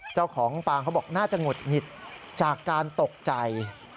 เจ้าของปางเขาบอกน่าจะหงุดหงิดจากการตกใจ